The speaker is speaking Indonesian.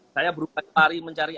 saya berubah kemari mencari